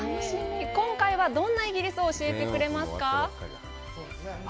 今回はどんなイギリスを教えてくれますか。